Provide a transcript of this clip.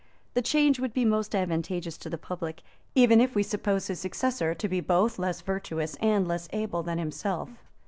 The change would be most advantageous to the public, even if we suppose his successor to be both less virtuous and less able than himself.